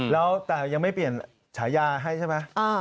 แล้วแต่ยังไม่เปลี่ยนฉายาให้ใช่ไหม